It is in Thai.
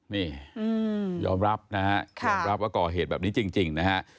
นี่ยอมรับนะฮะยอมรับว่าก่อเหตุแบบนี้จริงนะฮะ